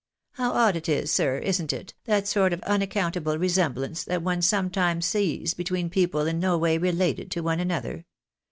How odd it is, sir, isn't it, that sort of unaccountable resemblance that one sometimes sees between people in no way related to one another